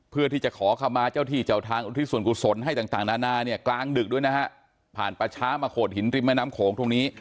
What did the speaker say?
ผ่านป่าช้ามาโขดหินริมแม่น้ำโขงทุกนี้